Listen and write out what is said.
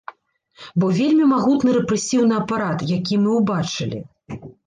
Бо вельмі магутны рэпрэсіўны апарат, які мы ўбачылі.